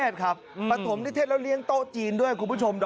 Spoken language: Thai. สมัยไม่เรียกหวังผม